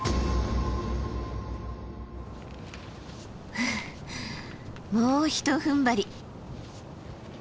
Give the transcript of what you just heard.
ふうもうひとふんばり。